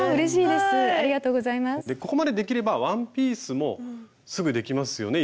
でここまでできればワンピースもすぐできますよね？